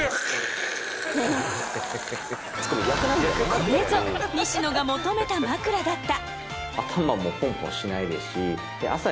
これぞ西野が求めた枕だった。